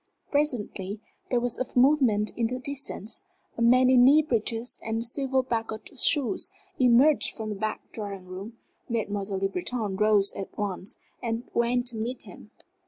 Presently there was a movement in the distance. A man in knee breeches and silver buckled shoes emerged from the back drawing room. Mademoiselle Le Breton rose at once and went to meet him.